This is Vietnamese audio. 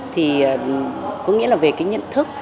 thì có nghĩa là về nhận thức